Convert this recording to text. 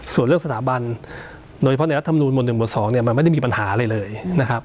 ส่วนเรื่องสถาบันโดยเฉพาะในรัฐมนูลหมวด๑หมวด๒เนี่ยมันไม่ได้มีปัญหาอะไรเลยนะครับ